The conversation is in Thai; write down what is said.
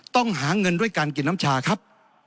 ต้องหาเงินด้วยการกินน้ำชาครับ